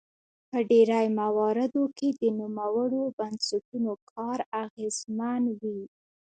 په ډیری مواردو کې د نوموړو بنسټونو کار اغیزمن وي.